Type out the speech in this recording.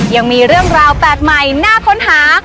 ยังมีเรื่องราวแปลกใหม่น่าค้นหา